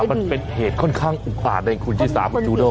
ปัญหามันเป็นเหตุค่อนข้างอุปกรณ์เลยคุณที่สามจูด้ม